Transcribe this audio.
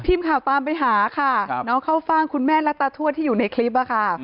ทีมข่าวตามไปหาค่ะน้องเข้าฟ่างคุณแม่และตาทวดที่อยู่ในคลิปอะค่ะ